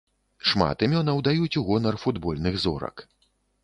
Шмат імёнаў даюць у гонар футбольных зорак.